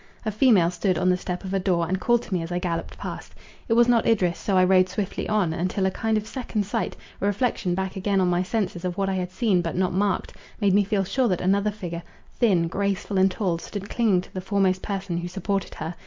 A female stood on the step of a door, and called to me as I gallopped past. It was not Idris; so I rode swiftly on, until a kind of second sight, a reflection back again on my senses of what I had seen but not marked, made me feel sure that another figure, thin, graceful and tall, stood clinging to the foremost person who supported her.